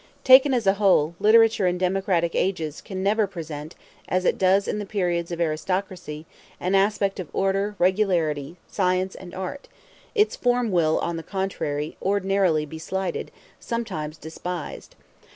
Taken as a whole, literature in democratic ages can never present, as it does in the periods of aristocracy, an aspect of order, regularity, science, and art; its form will, on the contrary, ordinarily be slighted, sometimes despised.